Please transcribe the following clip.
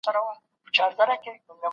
موږ بايد خپل ژوند خوندي وساتو.